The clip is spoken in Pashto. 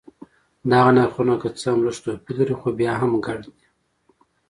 دغه نرخونه که څه هم لږ توپیر لري خو بیا هم ګډ دي.